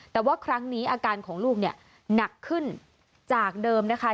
แต่ว่าครั้งนี้อาการของลูกเนี่ยหนักขึ้นจากเดิมนะคะ